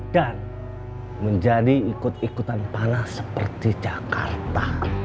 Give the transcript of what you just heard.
dan menjadi ikut ikutan panah seperti jakarta